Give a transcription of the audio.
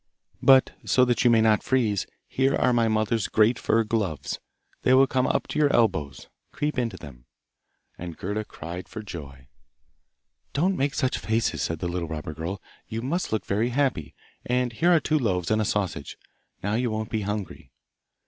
But, so that you may not freeze, here are my mother's great fur gloves; they will come up to your elbows. Creep into them!' And Gerda cried for joy. 'Don't make such faces!' said the little robber girl. 'You must look very happy. And here are two loaves and a sausage; now you won't be hungry!